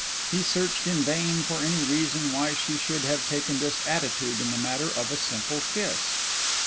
He searched in vain for any reason why she should have taken this attitude in the matter of a simple kiss.